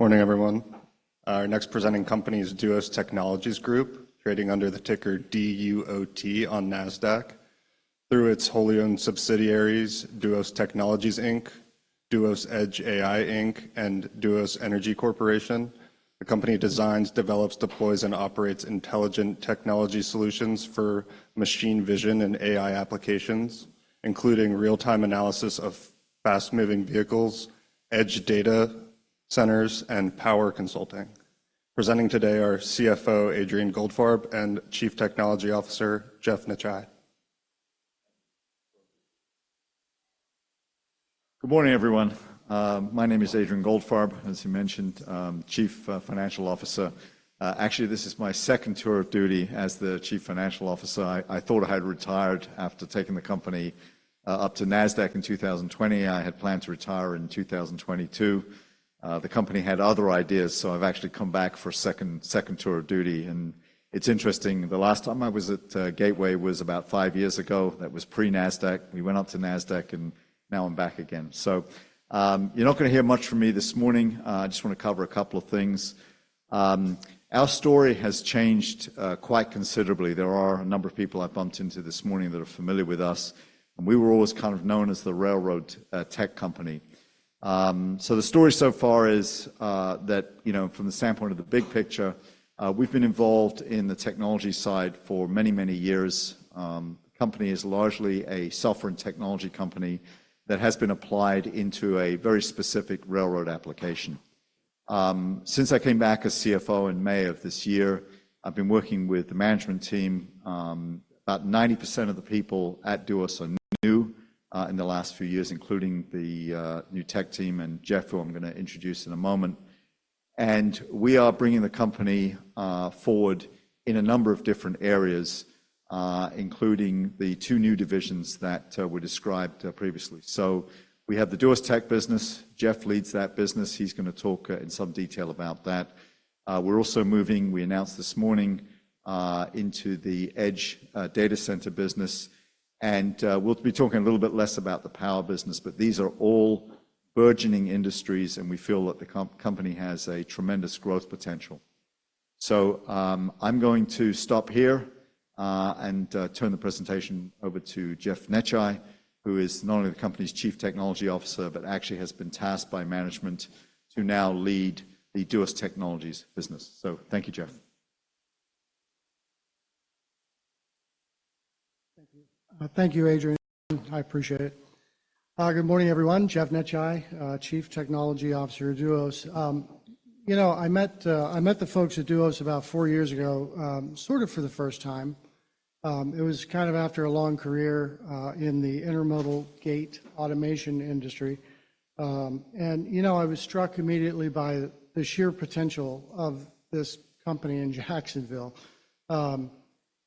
Morning, everyone. Our next presenting company is Duos Technologies Group, trading under the ticker D-U-O-T on NASDAQ. Through its wholly owned subsidiaries, Duos Technologies, Inc., Duos Edge AI, Inc., and Duos Energy Corporation, the company designs, develops, deploys, and operates intelligent technology solutions for machine vision and AI applications, including real-time analysis of fast-moving vehicles, edge data centers, and power consulting. Presenting today are CFO Adrian Goldfarb and Chief Technology Officer Jeff Necciai. Good morning, everyone. My name is Adrian Goldfarb, as you mentioned, Chief Financial Officer. Actually, this is my second tour of duty as the Chief Financial Officer. I thought I had retired after taking the company up to Nasdaq in 2020. I had planned to retire in 2022. The company had other ideas, so I've actually come back for a second tour of duty. It's interesting. The last time I was at Gateway was about five years ago. That was pre-Nasdaq. We went up to Nasdaq, and now I'm back again. You're not gonna hear much from me this morning. I just wanna cover a couple of things. Our story has changed quite considerably. There are a number of people I bumped into this morning that are familiar with us, and we were always kind of known as the railroad tech company. So the story so far is that, you know, from the standpoint of the big picture, we've been involved in the technology side for many, many years. The company is largely a software and technology company that has been applied into a very specific railroad application. Since I came back as CFO in May of this year, I've been working with the management team. About 90% of the people at Duos are new in the last few years, including the new tech team and Jeff, who I'm gonna introduce in a moment. And we are bringing the company forward in a number of different areas, including the two new divisions that were described previously. So we have the Duos Tech business. Jeff leads that business. He's gonna talk in some detail about that. We're also moving, we announced this morning, into the edge data center business, and we'll be talking a little bit less about the power business, but these are all burgeoning industries, and we feel that the company has a tremendous growth potential. So, I'm going to stop here, and turn the presentation over to Jeff Netchai, who is not only the company's Chief Technology Officer, but actually has been tasked by management to now lead the Duos Technologies business. So thank you, Jeff. Thank you. Thank you, Adrian. I appreciate it. Good morning, everyone. Jeff Necciai, Chief Technology Officer at Duos. You know, I met the folks at Duos about four years ago, sort of for the first time. It was kind of after a long career in the intermodal gate automation industry. And, you know, I was struck immediately by the sheer potential of this company in Jacksonville.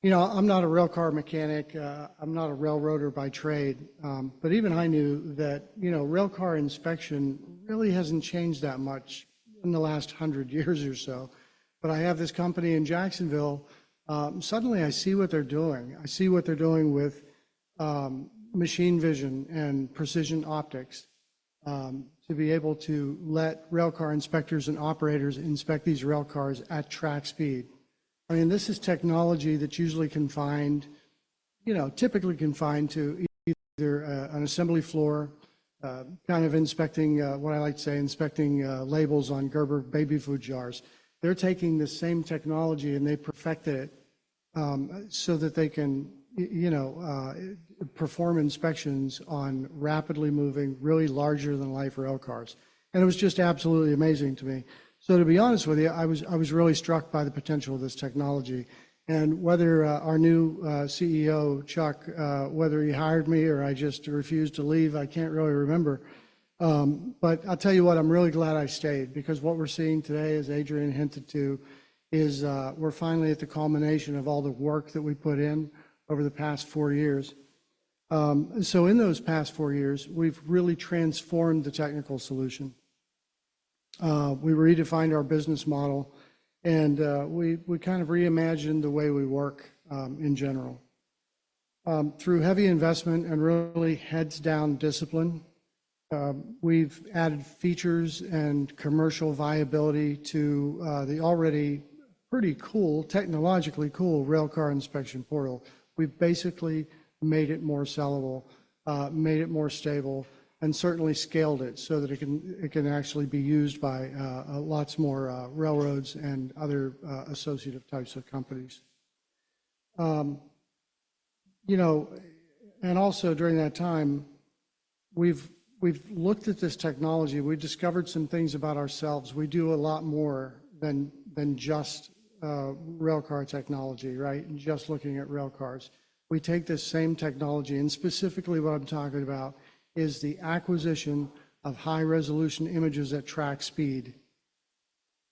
You know, I'm not a railcar mechanic. I'm not a railroader by trade, but even I knew that, you know, railcar inspection really hasn't changed that much in the last hundred years or so. But I have this company in Jacksonville, suddenly I see what they're doing. I see what they're doing with machine vision and precision optics to be able to let railcar inspectors and operators inspect these railcars at track speed. I mean, this is technology that's usually confined, you know, typically confined to either an assembly floor kind of inspecting what I like to say, inspecting labels on Gerber baby food jars. They're taking the same technology, and they perfected it so that they can, you know, perform inspections on rapidly moving, really larger-than-life railcars, and it was just absolutely amazing to me, so to be honest with you, I was really struck by the potential of this technology, and whether our new CEO, Chuck, whether he hired me or I just refused to leave, I can't really remember. But I'll tell you what, I'm really glad I stayed, because what we're seeing today, as Adrian hinted to, is we're finally at the culmination of all the work that we put in over the past four years. So in those past four years, we've really transformed the technical solution. We redefined our business model, and we kind of reimagined the way we work, in general. Through heavy investment and really heads-down discipline, we've added features and commercial viability to the already pretty cool, technologically cool, railcar inspection portal. We've basically made it more sellable, made it more stable, and certainly scaled it so that it can actually be used by lots more railroads and other associative types of companies. You know, and also during that time, we've looked at this technology. We've discovered some things about ourselves. We do a lot more than just railcar technology, right? Just looking at railcars. We take this same technology, and specifically what I'm talking about is the acquisition of high-resolution images at track speed.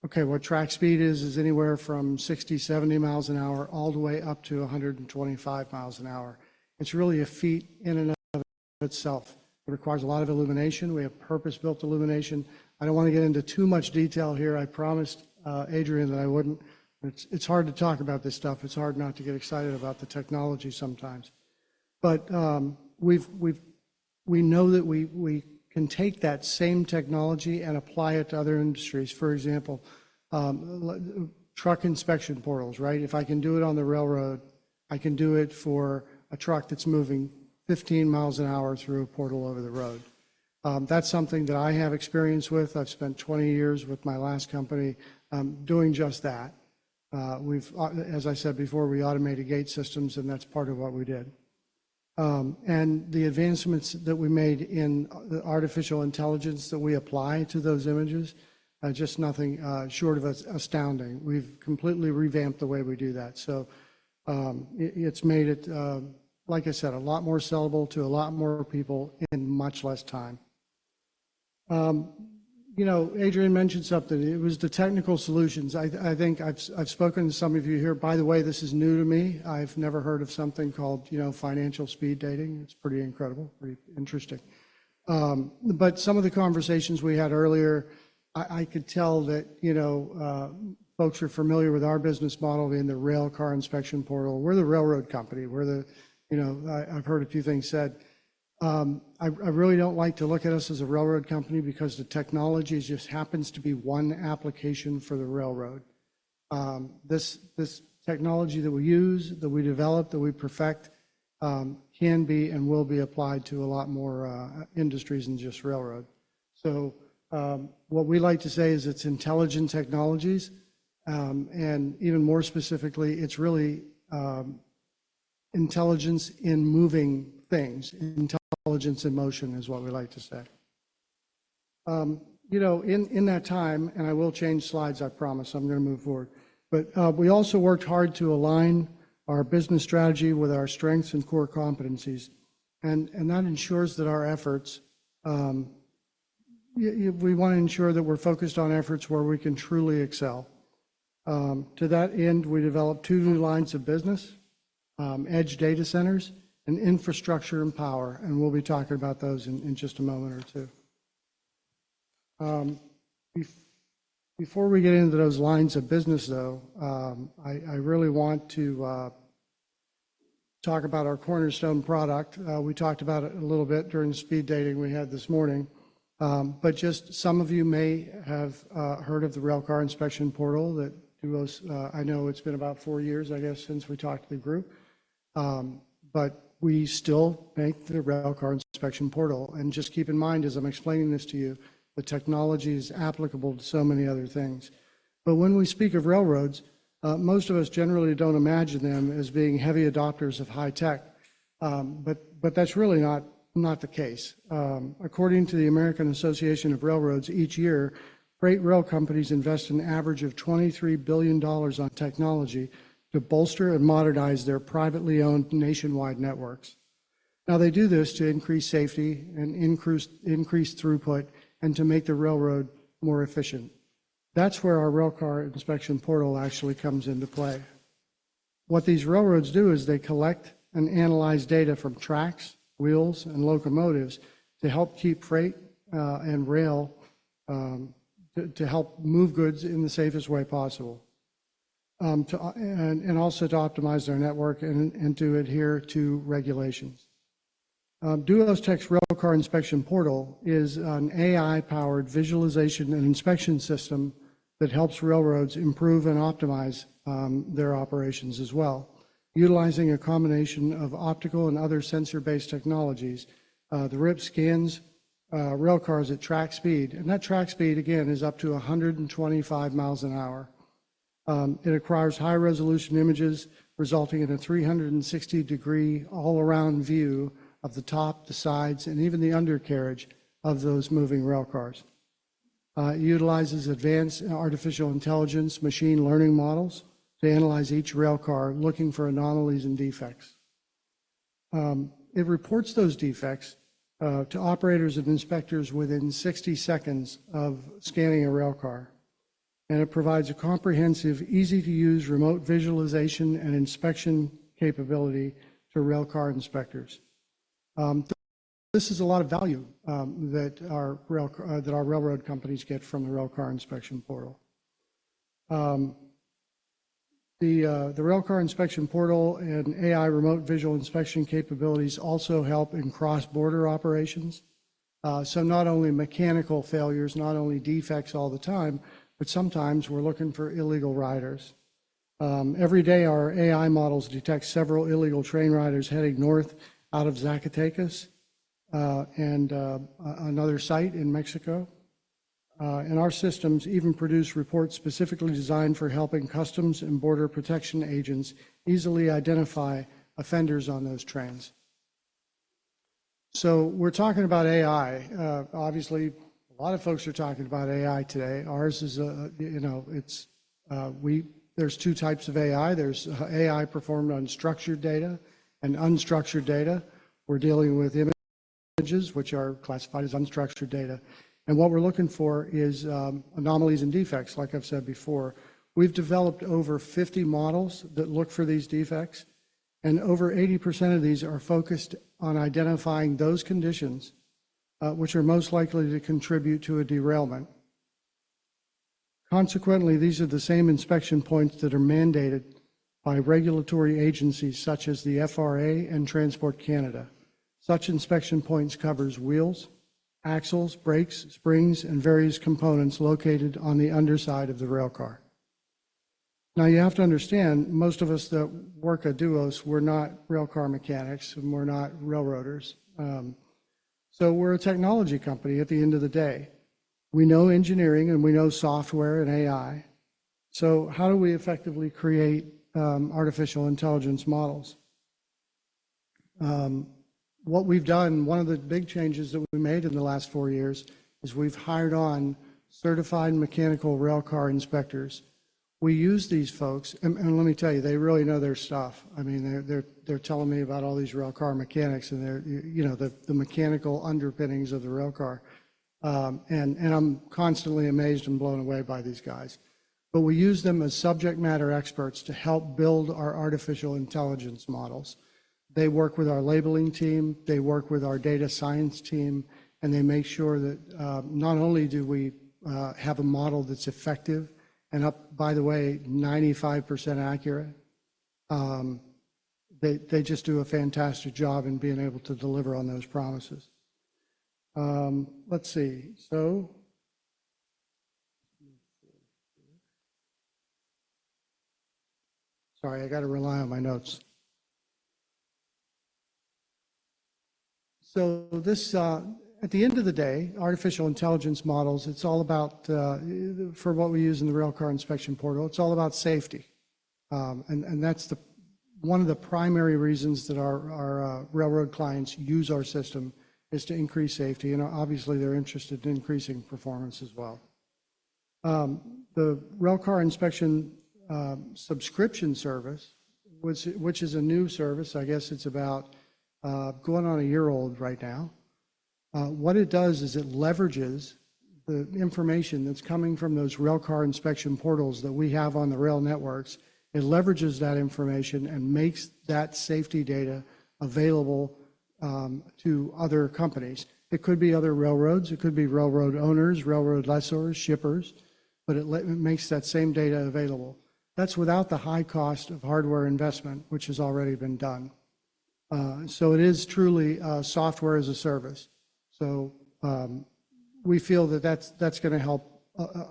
Okay, what track speed is anywhere from 60, 70 miles an hour, all the way up to 125 miles an hour. It's really a feat in and of itself. It requires a lot of illumination. We have purpose-built illumination. I don't wanna get into too much detail here. I promised Adrian that I wouldn't. It's hard to talk about this stuff. It's hard not to get excited about the technology sometimes. But we know that we can take that same technology and apply it to other industries. For example, like truck inspection portals, right? If I can do it on the railroad, I can do it for a truck that's moving 15 miles an hour through a portal over the road. That's something that I have experience with. I've spent 20 years with my last company, doing just that. As I said before, we automated gate systems, and that's part of what we did, and the advancements that we made in the artificial intelligence that we apply to those images are just nothing short of astounding. We've completely revamped the way we do that, so it's made it, like I said, a lot more sellable to a lot more people in much less time. You know, Adrian mentioned something. It was the technical solutions. I think I've spoken to some of you here. By the way, this is new to me. I've never heard of something called, you know, financial speed dating. It's pretty incredible, pretty interesting. But some of the conversations we had earlier, I could tell that, you know, folks are familiar with our business model in the Railcar Inspection Portal. We're the railroad company. We're the... You know, I've heard a few things said. I really don't like to look at us as a railroad company because the technology just happens to be one application for the railroad. This technology that we use, that we develop, that we perfect, can be and will be applied to a lot more industries than just railroad. So, what we like to say is it's intelligent technologies, and even more specifically, it's really, intelligence in moving things. Intelligence in motion is what we like to say. You know, in that time, and I will change slides, I promise. I'm gonna move forward. But we also worked hard to align our business strategy with our strengths and core competencies, and that ensures that our efforts, we want to ensure that we're focused on efforts where we can truly excel. To that end, we developed two new lines of business: edge data centers and infrastructure and power, and we'll be talking about those in just a moment or two. Before we get into those lines of business, though, I really want to talk about our cornerstone product. We talked about it a little bit during the speed dating we had this morning. But just some of you may have heard of the Railcar Inspection Portal that Duos. I know it's been about four years, I guess, since we talked to the group. But we still make the Railcar Inspection Portal, and just keep in mind, as I'm explaining this to you, the technology is applicable to so many other things. But when we speak of railroads, most of us generally don't imagine them as being heavy adopters of high tech. But that's really not the case. According to the Association of American Railroads, each year, freight rail companies invest an average of $23 billion on technology to bolster and modernize their privately owned nationwide networks. Now, they do this to increase safety and increase throughput and to make the railroad more efficient. That's where our railcar inspection portal actually comes into play. What these railroads do is they collect and analyze data from tracks, wheels, and locomotives to help keep freight and rail to help move goods in the safest way possible and also to optimize their network and to adhere to regulations. Duos Tech's railcar inspection portal is an AI-powered visualization and inspection system that helps railroads improve and optimize their operations as well. Utilizing a combination of optical and other sensor-based technologies, the RIP scans railcars at track speed, and that track speed, again, is up to 125 miles an hour. It acquires high-resolution images, resulting in a 360-degree all-around view of the top, the sides, and even the undercarriage of those moving railcars. It utilizes advanced artificial intelligence machine learning models to analyze each railcar, looking for anomalies and defects. It reports those defects to operators and inspectors within 60 seconds of scanning a railcar, and it provides a comprehensive, easy-to-use, remote visualization and inspection capability to railcar inspectors. This is a lot of value that our railroad companies get from the railcar inspection portal. The railcar inspection portal and AI remote visual inspection capabilities also help in cross-border operations, so not only mechanical failures, not only defects all the time, but sometimes we're looking for illegal riders. Every day, our AI models detect several illegal train riders heading north out of Zacatecas and another site in Mexico. And our systems even produce reports specifically designed for helping Customs and Border Protection agents easily identify offenders on those trains. So we're talking about AI. Obviously, a lot of folks are talking about AI today. Ours is, you know, it's, there's two types of AI. There's AI performed on structured data and unstructured data. We're dealing with images, which are classified as unstructured data, and what we're looking for is, anomalies and defects, like I've said before. We've developed over fifty models that look for these defects, and over 80% of these are focused on identifying those conditions, which are most likely to contribute to a derailment. Consequently, these are the same inspection points that are mandated by regulatory agencies such as the FRA and Transport Canada. Such inspection points covers wheels, axles, brakes, springs, and various components located on the underside of the railcar. Now, you have to understand, most of us that work at Duos, we're not railcar mechanics, and we're not railroaders, so we're a technology company at the end of the day. We know engineering, and we know software and AI, so how do we effectively create artificial intelligence models? What we've done, one of the big changes that we made in the last four years, is we've hired on certified mechanical railcar inspectors. We use these folks, and let me tell you, they really know their stuff. I mean, they're telling me about all these railcar mechanics and their, you know, the mechanical underpinnings of the railcar, and I'm constantly amazed and blown away by these guys. But we use them as subject matter experts to help build our artificial intelligence models. They work with our labeling team, they work with our data science team, and they make sure that, not only do we have a model that's effective and up, by the way, 95% accurate, they just do a fantastic job in being able to deliver on those promises. Let's see. So... Sorry, I got to rely on my notes. So this, at the end of the day, artificial intelligence models, it's all about, for what we use in the Railcar Inspection Portal, it's all about safety. And that's the one of the primary reasons that our railroad clients use our system, is to increase safety, and obviously, they're interested in increasing performance as well. The railcar inspection subscription service, which is a new service. I guess it's about going on a year old right now. What it does is it leverages the information that's coming from those railcar inspection portals that we have on the rail networks. It leverages that information and makes that safety data available to other companies. It could be other railroads, it could be railroad owners, railroad lessors, shippers, but it makes that same data available. That's without the high cost of hardware investment, which has already been done. So it is truly a software as a service. So, we feel that that's gonna help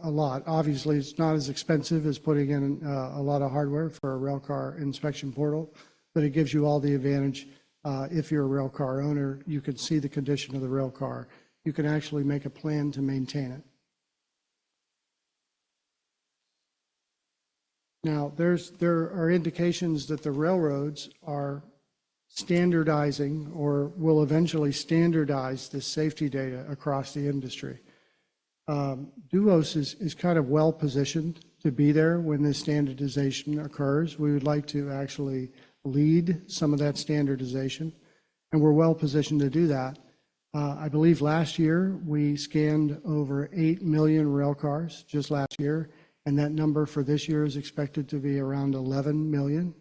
a lot. Obviously, it's not as expensive as putting in a lot of hardware for a railcar inspection portal, but it gives you all the advantage. If you're a railcar owner, you could see the condition of the railcar. You can actually make a plan to maintain it. Now, there are indications that the railroads are standardizing or will eventually standardize the safety data across the industry. Duos is kind of well-positioned to be there when this standardization occurs. We would like to actually lead some of that standardization, and we're well positioned to do that. I believe last year, we scanned over 8 million railcars, just last year, and that number for this year is expected to be around 11 million.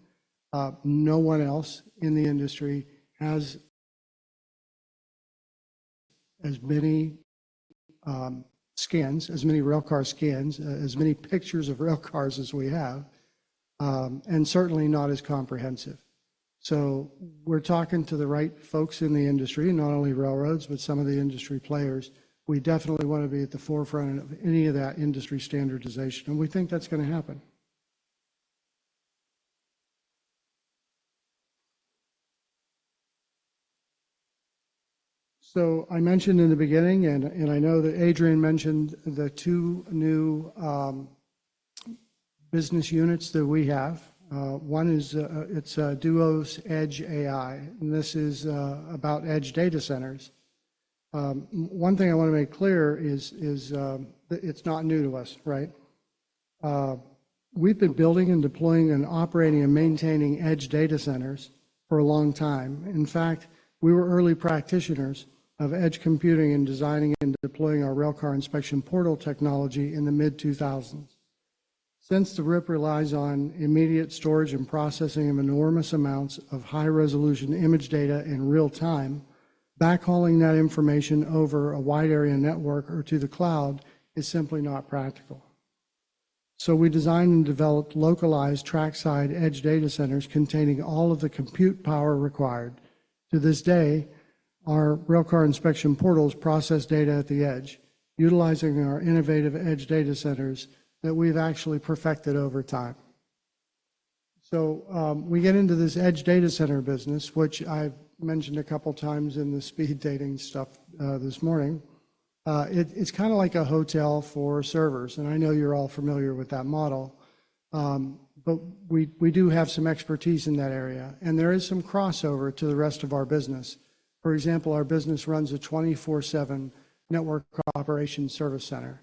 No one else in the industry has as many scans, as many railcar scans, as many pictures of railcars as we have, and certainly not as comprehensive. So we're talking to the right folks in the industry, not only railroads, but some of the industry players. We definitely want to be at the forefront of any of that industry standardization, and we think that's gonna happen. So I mentioned in the beginning, and I know that Adrian mentioned the two new business units that we have. One is Duos Edge AI, and this is about edge data centers. One thing I want to make clear is that it's not new to us, right? We've been building and deploying and operating and maintaining edge data centers for a long time. In fact, we were early practitioners of edge computing and designing and deploying our railcar inspection portal technology in the mid-2000s. Since the RIP relies on immediate storage and processing of enormous amounts of high-resolution image data in real time, backhauling that information over a wide area network or to the cloud is simply not practical. So we designed and developed localized track-side edge data centers containing all of the compute power required. To this day, our railcar inspection portals process data at the edge, utilizing our innovative edge data centers that we've actually perfected over time. So, we get into this edge data center business, which I've mentioned a couple of times in the speed dating stuff, this morning. It's kinda like a hotel for servers, and I know you're all familiar with that model. But we do have some expertise in that area, and there is some crossover to the rest of our business. For example, our business runs a 24/7 network operations service center,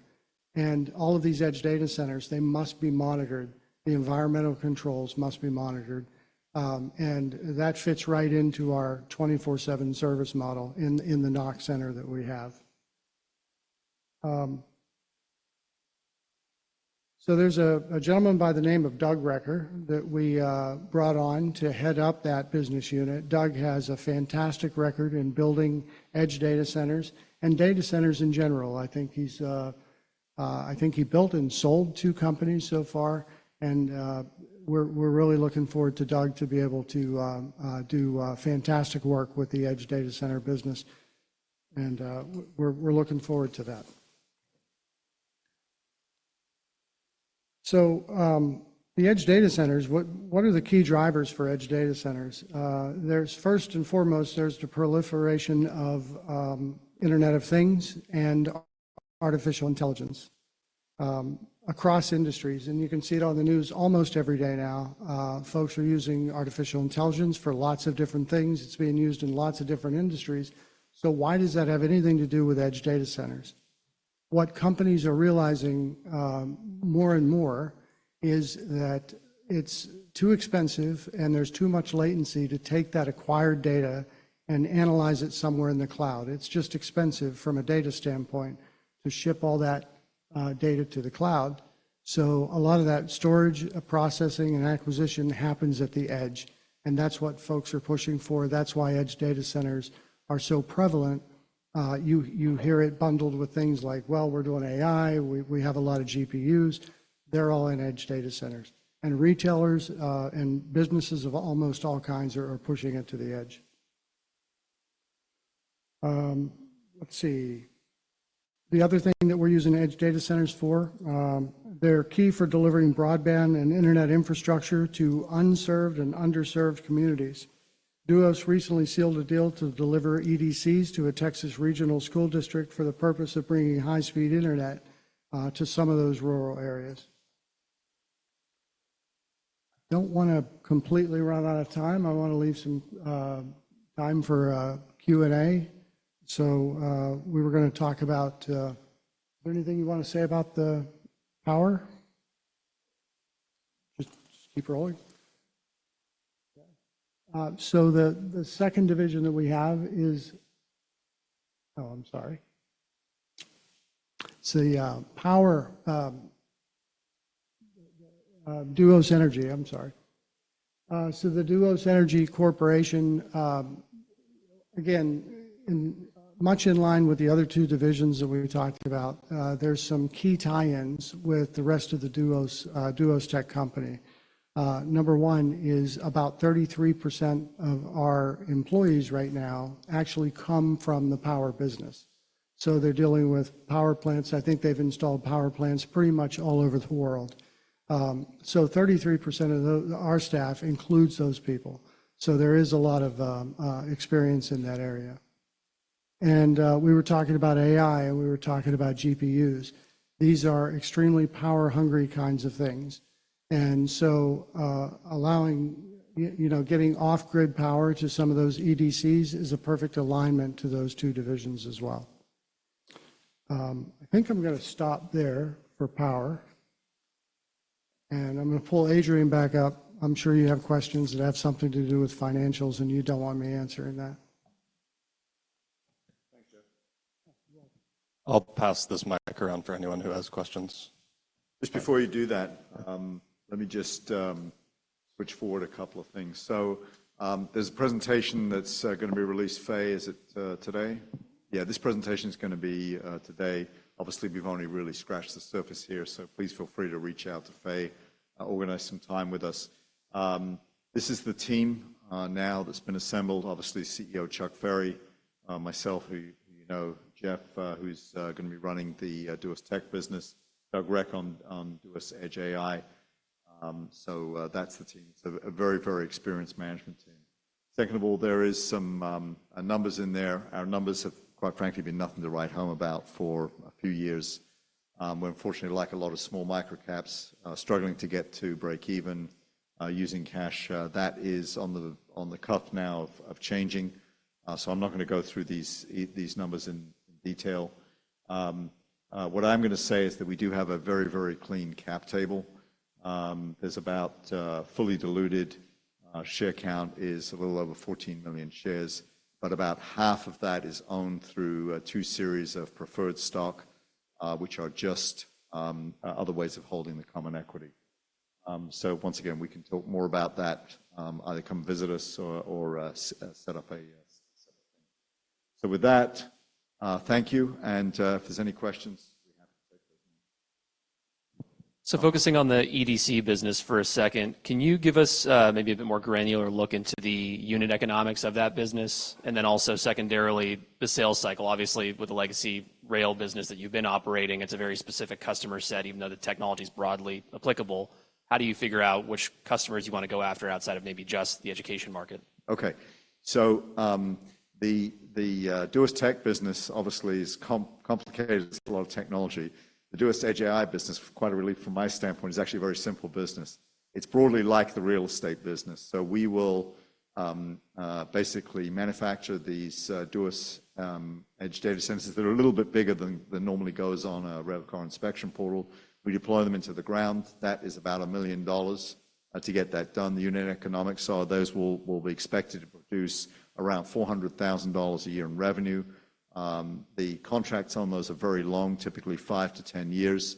and all of these edge data centers, they must be monitored. The environmental controls must be monitored, and that fits right into our 24/7 service model in the NOC center that we have. There's a gentleman by the name of Doug Recker that we brought on to head up that business unit. Doug has a fantastic record in building edge data centers and data centers in general. I think he built and sold two companies so far, and we're really looking forward to Doug to be able to do fantastic work with the edge data center business, and we're looking forward to that. The edge data centers, what are the key drivers for edge data centers? There's first and foremost the proliferation of Internet of Things and artificial intelligence across industries, and you can see it on the news almost every day now. Folks are using artificial intelligence for lots of different things. It's being used in lots of different industries. So why does that have anything to do with edge data centers? What companies are realizing more and more is that it's too expensive, and there's too much latency to take that acquired data and analyze it somewhere in the cloud. It's just expensive from a data standpoint to ship all that data to the cloud. So a lot of that storage, processing, and acquisition happens at the edge, and that's what folks are pushing for. That's why edge data centers are so prevalent. You hear it bundled with things like, "Well, we're doing AI. We have a lot of GPUs. They're all in edge data centers. Retailers and businesses of almost all kinds are pushing it to the edge. The other thing that we're using edge data centers for. They're key for delivering broadband and internet infrastructure to unserved and underserved communities. Duos recently sealed a deal to deliver EDCs to a Texas regional school district for the purpose of bringing high-speed internet to some of those rural areas. Don't wanna completely run out of time. I wanna leave some time for Q&A. We were gonna talk about... Is there anything you want to say about the power? Just keep rolling. The second division that we have is-- Oh, I'm sorry. It's the power, Duos Energy. I'm sorry. So the Duos Energy Corporation, again, much in line with the other two divisions that we were talking about, there's some key tie-ins with the rest of the Duos, Duos Tech company. Number one is about 33% of our employees right now actually come from the power business, so they're dealing with power plants. I think they've installed power plants pretty much all over the world. So 33% of our staff includes those people, so there is a lot of experience in that area. And we were talking about AI, and we were talking about GPUs. These are extremely power-hungry kinds of things, and so, allowing, you know, getting off-grid power to some of those EDCs is a perfect alignment to those two divisions as well. I think I'm gonna stop there for power, and I'm gonna pull Adrian back up. I'm sure you have questions that have something to do with financials, and you don't want me answering that. Thanks, Jeff. You're welcome. I'll pass this mic around for anyone who has questions. Just before you do that, let me just switch forward a couple of things. So, there's a presentation that's gonna be released. Fe, is it today? Yeah, this presentation is gonna be today. Obviously, we've only really scratched the surface here, so please feel free to reach out to Fe, organize some time with us. This is the team now that's been assembled. Obviously, CEO Chuck Ferry, myself, who you know, Jeff, who's gonna be running the Duos Tech business. Doug Recker on Duos Edge AI. So, that's the team. So a very, very experienced management team. Second of all, there is some numbers in there. Our numbers have, quite frankly, been nothing to write home about for a few years. We're unfortunately, like a lot of small micro caps, struggling to get to break even using cash. That is on the cusp now of changing. So I'm not gonna go through these numbers in detail. What I'm gonna say is that we do have a very, very clean cap table. There's about fully diluted share count is a little over 14 million shares, but about half of that is owned through two series of preferred stock, which are just other ways of holding the common equity. So once again, we can talk more about that. Either come visit us or set up a... So with that, thank you, and if there's any questions, we're happy to take them. So focusing on the EDC business for a second, can you give us, maybe a bit more granular look into the unit economics of that business? And then also, secondarily, the sales cycle. Obviously, with the legacy rail business that you've been operating, it's a very specific customer set, even though the technology's broadly applicable. How do you figure out which customers you wanna go after outside of maybe just the education market? Okay. So, the Duos Tech business obviously is complicated. It's a lot of technology. The Duos Edge AI business, quite a relief from my standpoint, is actually a very simple business. It's broadly like the real estate business. So we will basically manufacture these Duos edge data centers that are a little bit bigger than normally goes on a railcar inspection portal. We deploy them into the ground. That is about $1 million to get that done. The unit economics are those will be expected to produce around $400,000 a year in revenue. The contracts on those are very long, typically five-10 years,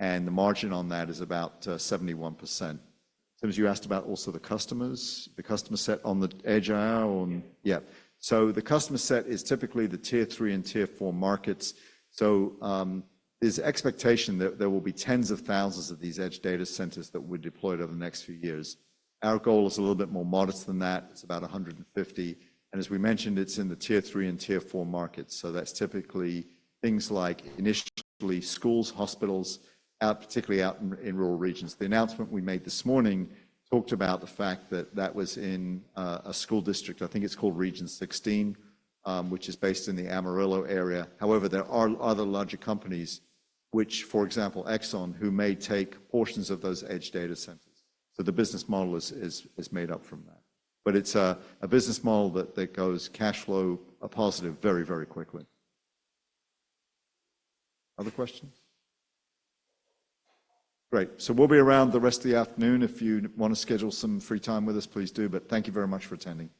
and the margin on that is about 71%. So as you asked about also the customers, the customer set on the Edge AI or...? Mm. Yeah. So the customer set is typically the tier three and tier four markets. So, there's expectation that there will be tens of thousands of these edge data centers that we deploy over the next few years. Our goal is a little bit more modest than that. It's about 150, and as we mentioned, it's in the tier three and tier four markets, so that's typically things like, initially, schools, hospitals, out, particularly out in rural regions. The announcement we made this morning talked about the fact that that was in a school district. I think it's called Region 16, which is based in the Amarillo area. However, there are other larger companies which, for example, Exxon, who may take portions of those edge data centers. So the business model is made up from that, but it's a business model that goes cash flow positive very, very quickly. Other questions? Great, so we'll be around the rest of the afternoon. If you do wanna schedule some free time with us, please do, but thank you very much for attending.